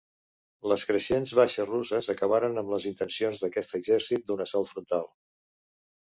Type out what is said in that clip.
Les creixents baixes russes acabaren amb les intencions d'aquest exèrcit d'un assalt frontal.